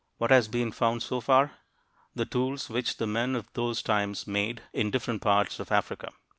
What has been found so far? The tools which the men of those times made, in different parts of Africa.